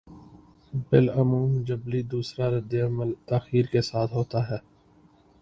بالعموم جبلّی دوسرا رد عمل تاخیر کے ساتھ ہوتا ہے۔